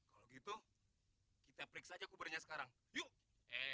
kalau gitu kita periksa aja kuburnya sekarang yuk